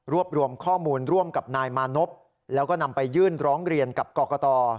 รวมรวมข้อมูลร่วมกับนายมานพแล้วก็นำไปยื่นร้องเรียนกับกรกต